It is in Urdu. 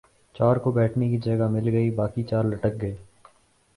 چار کو بیٹھنے کی جگہ مل گئی باقی چار لٹک گئے ۔